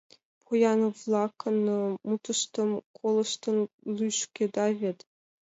Поян-влакын мутыштым колыштын лӱшкеда вет!